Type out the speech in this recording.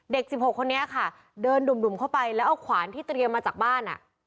๑๖คนนี้ค่ะเดินดุ่มเข้าไปแล้วเอาขวานที่เตรียมมาจากบ้าน